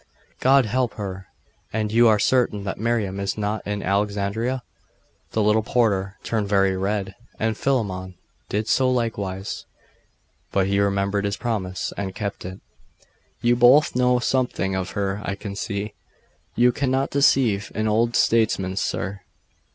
'God help her! And you are certain that Miriam is not in Alexandria?' The little porter turned very red, and Philammon did so likewise; but he remembered his promise, and kept it. 'You both know something of her, I can see. You cannot deceive an old statesman, sir!